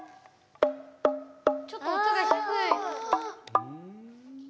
ちょっと音が低い。